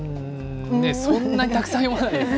そんなにたくさん読まないですね。